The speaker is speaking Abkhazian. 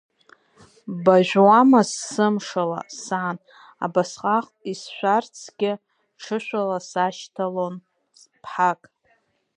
Бажәуамызт сымшала, сан, абасҟак, исшәарцгьы ҽышәала сашьҭалон бҳақ.